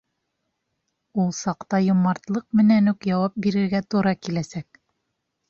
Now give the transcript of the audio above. Ул саҡта йомартлыҡ менән үк яуап бирергә тура киләсәк.